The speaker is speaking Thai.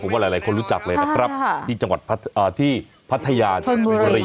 ว่าหลายคนรู้จักเลยนะครับที่จังหวัดที่พัทยาชนบุรี